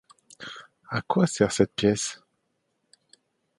A quoi sert cette pièce ?